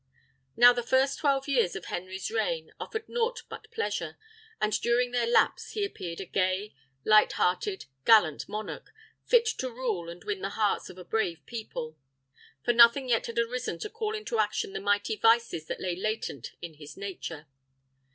Now the first twelve years of Henry's reign offered nought but pleasure, and during their lapse he appeared a gay, light hearted, gallant monarch, fit to rule and win the hearts of a brave people; for nothing yet had arisen to call into action the mighty vices that lay latent in his nature.